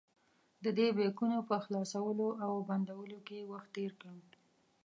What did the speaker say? ددې بیکونو په خلاصولو او بندولو کې وخت تېر کړم.